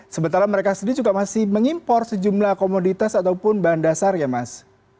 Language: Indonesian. sementara mereka sendiri juga masih mengimpor sejumlah komoditas ataupun bahan dasar ya mas